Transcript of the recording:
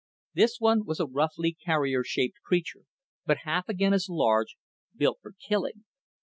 This one was a roughly carrier shaped creature, but half again as large, built for killing.